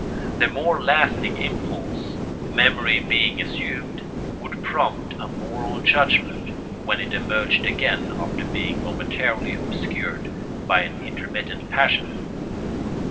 The more lasting impulse, memory being assumed, would prompt a moral judgment when it emerged again after being momentarily obscured by an intermittent passion.